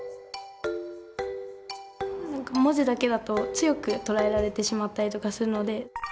文字だけだと強く捉えられてしまったりとかするので。